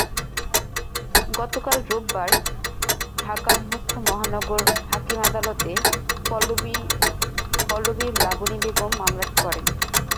গতকাল রোববার ঢাকার মুখ্য মহানগর হাকিম আদালতে পল্লবীর লাবনী বেগম মামলাটি করেন।